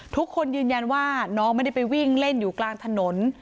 ทุกคนยืนยันว่าน้องไม่ได้ไปวิ่งเล่นอยู่กลางถนน